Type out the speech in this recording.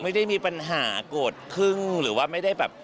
ไม่ได้มีปัญหาโกรธพึ่งหรือว่าไม่ได้แบบ